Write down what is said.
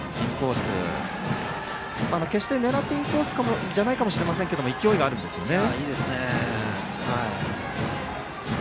決して狙ったインコースではないかもしれませんけれども勢いがあるんですよね。